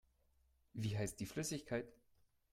Wie heißt die Flüssigkeit?